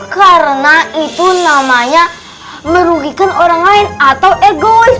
karena itu namanya merugikan orang lain atau egois